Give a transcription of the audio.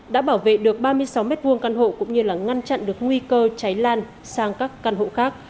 đã bảo vệ được ba mươi sáu m hai căn hộ cũng như là ngăn chặn được nguy cơ cháy lan sang các căn hộ khác